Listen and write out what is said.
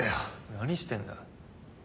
何してんだ？